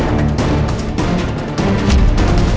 iya tante putri paham